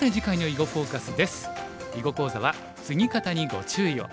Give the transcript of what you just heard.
囲碁講座は「ツギ方にご注意を！」。